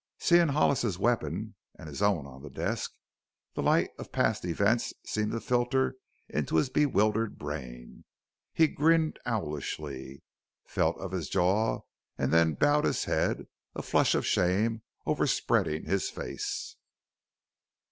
Seeing Hollis's weapon and his own on the desk, the light of past events seemed to filter into his bewildered brain. He grinned owlishly, felt of his jaw and then bowed his head, a flush of shame overspreading his face.